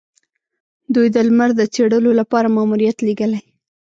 دوی د لمر د څیړلو لپاره ماموریت لیږلی.